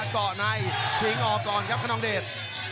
เกาะในชิงออกก่อนครับคนนองเดช